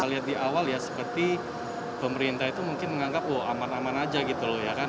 kita lihat di awal ya seperti pemerintah itu mungkin menganggap wah aman aman aja gitu loh ya kan